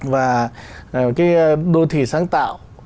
và cái đô thị sáng tạo